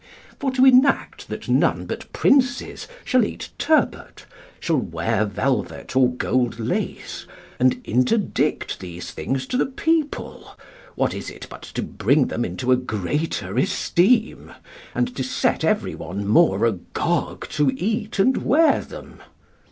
For to enact that none but princes shall eat turbot, shall wear velvet or gold lace, and interdict these things to the people, what is it but to bring them into a greater esteem, and to set every one more agog to eat and wear them?